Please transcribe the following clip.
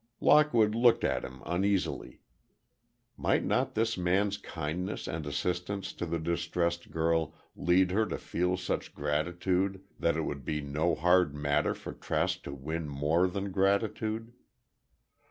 Lockwood looked at him uneasily. Might not this man's kindness and assistance to the distressed girl lead her to feel such gratitude that it would be no hard matter for Trask to win more than gratitude?